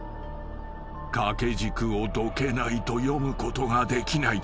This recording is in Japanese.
［掛け軸をどけないと詠むことができない